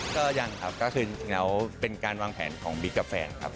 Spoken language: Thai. ก็ยังครับก็คือจริงแล้วเป็นการวางแผนของบิ๊กกับแฟนครับ